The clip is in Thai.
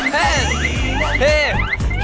เริ่มใหม่